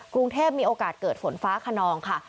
กรุงเทพมีโอกาสเกิดฝนฟ้าขนองค่ะ